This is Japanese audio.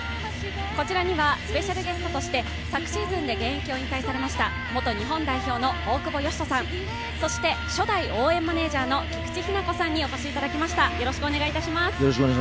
こちらにはスペシャルゲストとして昨シーズンで現役を引退されました元日本代表の大久保嘉人さん、そして、初代応援マネージャーの菊池日菜子さんにお越しいただきました。